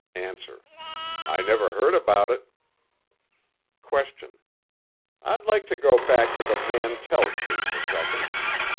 A. I never heard about it. Q. I'd like to go back to the Mantell case a second.